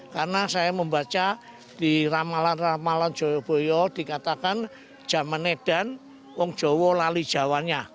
karena saya membaca di ramalan ramalan jawa boyo dikatakan zaman edan wong jowo lali jawanya